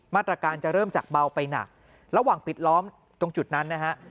มาตรการจะเริ่มจากเบาไปหนักระหว่างปิดล้อมตรงจุดนั้นนะฮะ